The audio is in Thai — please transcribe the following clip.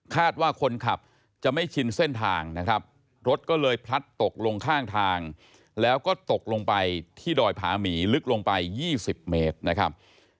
ว่าคนขับจะไม่ชินเส้นทางนะครับรถก็เลยพลัดตกลงข้างทางแล้วก็ตกลงไปที่ดอยผาหมีลึกลงไป๒๐เมตรนะครับ